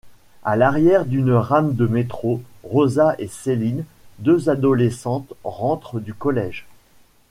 À l’arrière d’une rame de métro, Rosa et Céline, deux adolescentes, rentrent du collège.